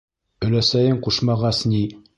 Өләсәйең ҡушмағас ни...